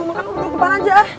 makan lu duduk depan aja